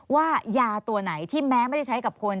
ว่ายาตัวไหนที่แม้ไม่ได้ใช้กับคน